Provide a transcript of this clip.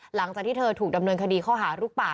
หลังจากที่เธอถูกดำเนินคดีข้อหาลูกป่า